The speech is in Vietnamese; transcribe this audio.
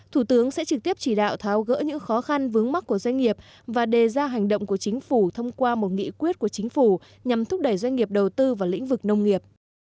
thủ tướng sẽ trực tiếp chỉ đạo tháo gỡ những khó khăn vướng mắt của doanh nghiệp và đề ra hành động của chính phủ thông qua một nghị quyết của chính phủ nhằm thúc đẩy doanh nghiệp đầu tư vào lĩnh vực nông nghiệp